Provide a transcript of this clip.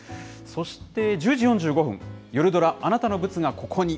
そして、１０時４５分、夜ドラ、あなたのブツが、ここに。